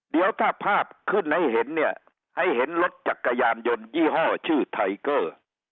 เดี๋ยวถ้าภาพขึ้นให้เห็นเนี่ยให้เห็นรถจักรยานยนต์ยี่ห้อชื่อไทเกอร์